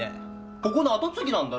ここの跡継ぎなんだろ？